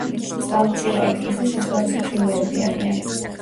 წყალმცურავი, იხვის მსგავსი ფრინველები არიან.